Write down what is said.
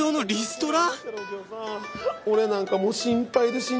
俺なんかもう心配で心配で。